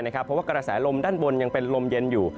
เพราะว่ากระแสลมด้านบนยังเป็นลมเย็นอยู่